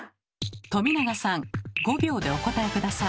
冨永さん５秒でお答え下さい。